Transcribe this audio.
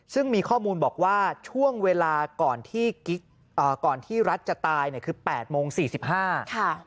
ซึ่งมีข้อมูลบอกว่าช่วงเวลาก่อนที่รัฐจะตายเนี่ยคือ๘โมง๔๕พฤษภาคม